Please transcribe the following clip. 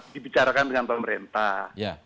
dibicarakan dengan pemerintah